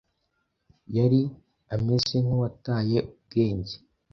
yari ameze nkuwataye ubwenge